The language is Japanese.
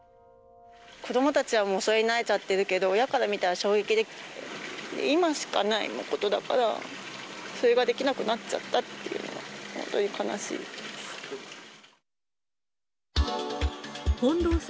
子どもたちはもう、それに慣れちゃってるけど、親から見たら衝撃で、今しかないことだから、それができなくなっちゃったっていうのは、本当に悲しいです。